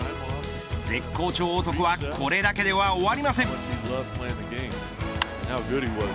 絶好調男はこれだけでは終わりません。